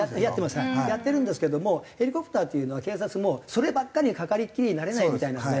やってるんですけどもヘリコプターっていうのは警察もそればっかりにかかりっきりになれないみたいなので。